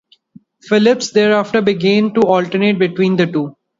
Phillips thereafter began to alternate between the two.